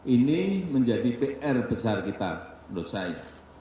ini menjadi pr besar kita menurut saya